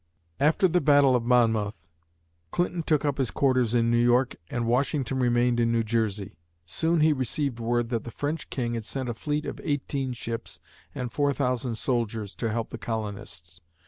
After the Battle of Monmouth, Clinton took up his quarters in New York and Washington remained in New Jersey. Soon he received word that the French King had sent a fleet of eighteen ships and four thousand soldiers to help the colonists.